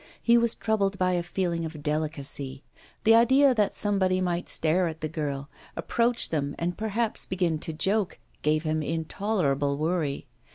He was troubled by a feeling of delicacy; the idea that somebody might stare at the girl, approach them, and perhaps begin to joke, gave him intolerable worry.